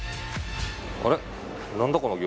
あれ？